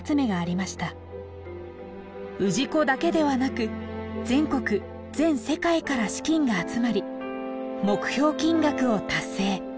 氏子だけではなく全国全世界から資金が集まり目標金額を達成。